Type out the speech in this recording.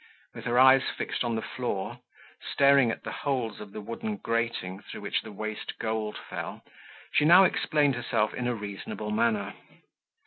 With her eyes fixed on the floor, staring at the holes of the wooden grating through which the waste gold fell she now explained herself in a reasonable manner.